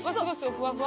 ふわふわ！